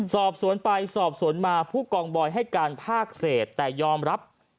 สอบสวนไปสอบสวนมาผู้กองบอยให้การภาคเศษแต่ยอมรับ